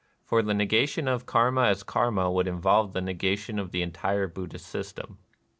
For the negation of Karma as Karma would involve the negation of the entire Buddhist system.